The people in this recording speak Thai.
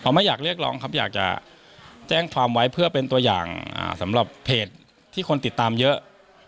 ไม่อยากเรียกร้องครับอยากจะแจ้งความไว้เพื่อเป็นตัวอย่างสำหรับเพจที่คนติดตามเยอะ